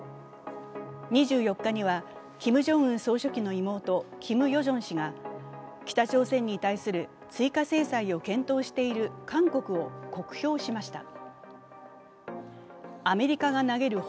２４日にはキム・ジョンウン総書記の妹、キム・ヨジョン氏が北朝鮮に対する追加制裁を検討している韓国を酷評しました。